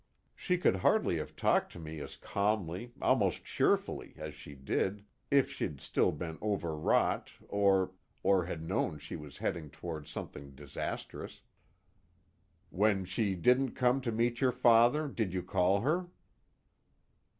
She could hardly have talked to me as calmly, almost cheerfully, as she did, if she'd still been overwrought or or had known she was heading toward something disastrous." "When she didn't come to meet your father, did you call her?"